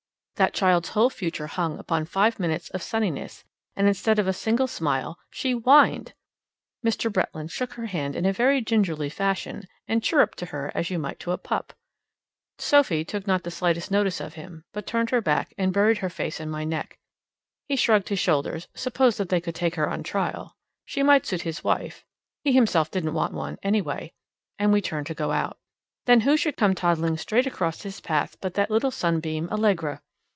That child's whole future hung upon five minutes of sunniness, and instead of a single smile, she WHINED! Mr. Bretland shook her hand in a very gingerly fashion and chirruped to her as you might to a pup. Sophie took not the slightest notice of him, but turned her back, and buried her face in my neck. He shrugged his shoulders, supposed that they could take her on trial. She might suit his wife; he himself didn't want one, anyway. And we turned to go out. Then who should come toddling straight across his path but that little sunbeam Allegra!